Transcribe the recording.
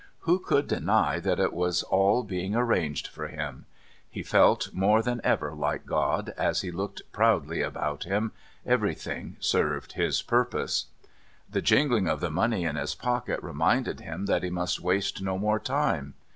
Who could deny that it was all being arranged for him? He felt more than ever like God as he looked proudly about him. Everything served his purpose. The jingling of the money in his pocket reminded him that he must waste no more time.